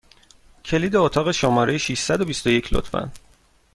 کلید اتاق شماره ششصد و بیست و یک، لطفا!